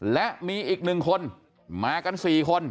และมีอีก๑คนมากัน๔คน